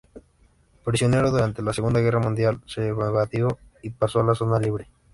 Prisionero durante la segunda guerra mundial, se evadió y pasó a la zona libre.